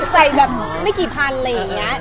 ใส่แบบไม่กี่พันอะไรอย่างนี้